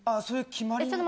そういう決まり。